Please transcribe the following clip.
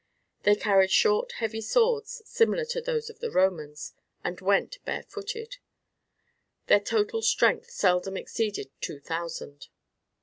They carried short heavy swords similar to those of the Romans, and went barefooted. Their total strength seldom exceeded two thousand.